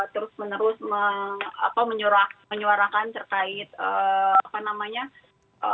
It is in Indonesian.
terus menerus menyuarakan terkait apa namanya